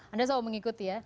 anda selalu mengikuti ya